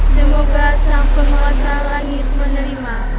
semoga sang penguasa langit menerima